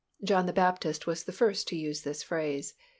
John the Baptist was the first to use this phrase.